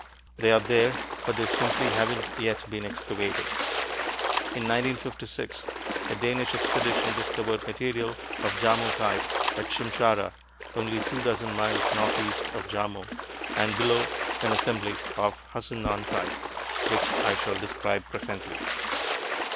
They are there, but they simply haven't yet been excavated. In 1956, a Danish expedition discovered material of Jarmo type at Shimshara, only two dozen miles northeast of Jarmo, and below an assemblage of Hassunan type (which I shall describe presently).